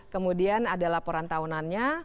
kemudian ada laporan tahunannya